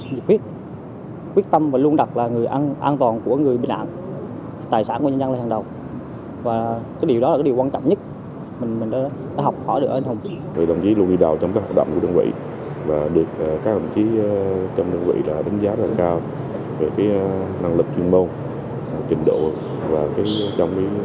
đại úy luôn đi đầu trong các hợp động của đơn vị và được các đồng chí trong đơn vị đánh giá rất cao về năng lực chuyên môn trình độ và trong phát phong đối xóng đối đức